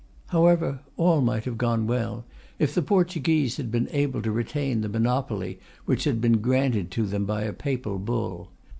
However, all might have gone well if the Portuguese had been able to retain the monopoly which had been granted to them by a Papal Bull.